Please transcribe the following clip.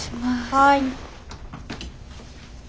はい。